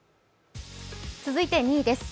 続いて２位です。